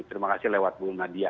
terima kasih lewat bu nadia